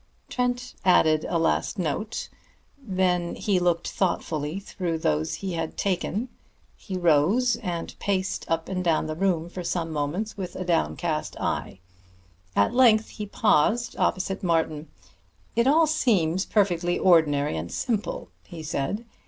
Trent added a last note; then he looked thoughtfully through those he had taken. He rose and paced up and down the room for some moments with a downcast eye. At length he paused opposite Martin. "It all seems perfectly ordinary and simple," he said.